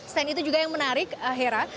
selain itu juga yang menarik hera